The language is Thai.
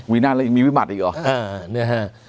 นั่นแล้วยังมีวิบัติอีกเหรอ